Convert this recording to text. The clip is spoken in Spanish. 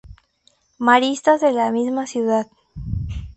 Maristas de la misma ciudad.